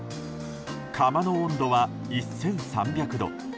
窯の温度は１３００度。